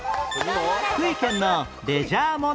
福井県のレジャー問題